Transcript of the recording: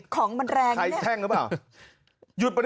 ใครแท่งรึเปล่า